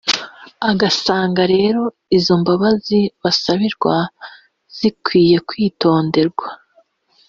agasanga rero izo mbabazi basabirwa zikwiye kwitonderwa